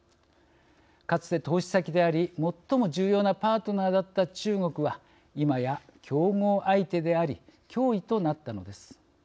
かつて投資先であり最も重要なパートナーだった中国は、今や競合相手であり脅威となったのです。